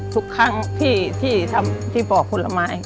ทุกครั้งที่ทำที่ปอกผลไม้